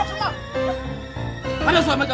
hati ageng jangan bawa suami saya